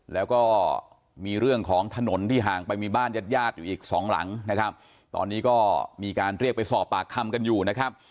แล้วก็มีเรื่องของถนนที่ห่างไปมีบ้านญาติญาติอยู่อีกสองหลังนะครับตอนนี้ก็มีการเรียกไปสอบปากคำกันอยู่นะครับ